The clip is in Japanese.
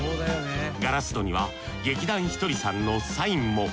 ガラス戸には劇団ひとりさんのサインも。